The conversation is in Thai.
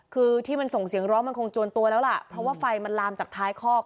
คือที่มันส่งเสียงร้องมันคงจวนตัวแล้วล่ะเพราะว่าไฟมันลามจากท้ายคอก